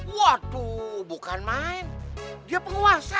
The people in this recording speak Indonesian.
waduh bukan main dia penguasa